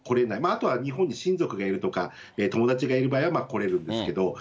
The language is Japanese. あとは日本に親族がいるとか、友達がいる場合は来れるんですけど。